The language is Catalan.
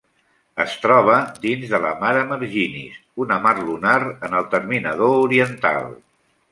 Es troba dins de la Mare Marginis, una mar lunar en el terminador oriental.